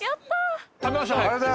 食べましょう。